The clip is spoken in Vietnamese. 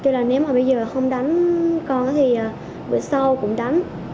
tức là nếu mà bây giờ không đánh con thì bữa sau cũng đánh